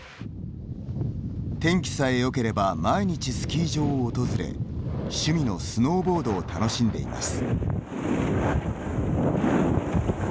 天気さえよければ毎日スキー場を訪れ趣味のスノーボードを楽しんでいます。